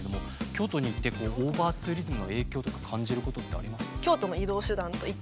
京都にいてオーバーツーリズムの影響とか感じることってあります？